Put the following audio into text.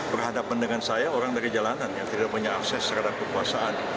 berhadapan dengan saya orang dari jalanan yang tidak punya akses terhadap kekuasaan